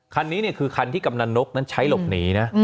คันนี้คือคันที่กำนันนกนั้นใช้หลบหนีนะ